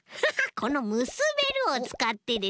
この「むすべる」をつかってですね。